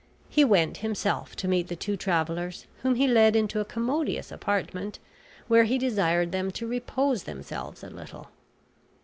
He went himself to meet the two travelers, whom he led into a commodious apartment, where he desired them to repose themselves a little.